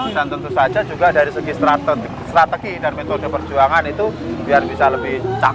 dan tentu saja juga dari segi strategi dan metode perjuangan itu biar bisa lebih capi